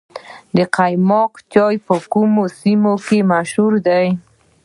قیماق چای په کومو سیمو کې مشهور دی؟